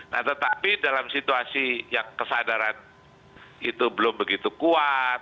nah tetapi dalam situasi yang kesadaran itu belum begitu kuat